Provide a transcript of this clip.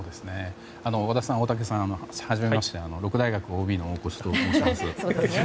和田さん、大竹さんはじめまして六大学ＯＢの大越と申します。